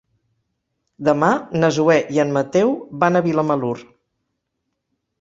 Demà na Zoè i en Mateu van a Vilamalur.